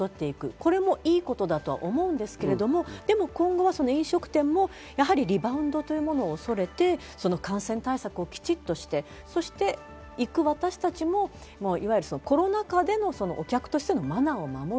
これも良いことだと思うんですけれど、今後は飲食店もやはりリバウンドというものを恐れて、感染対策をきちっとして行く私たちもコロナ禍でのお客としてのマナーを守る。